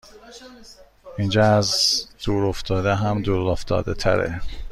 اینجااز دور افتاده هم دور افتاده تره